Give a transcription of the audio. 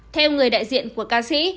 theo người đại diện của ca sĩ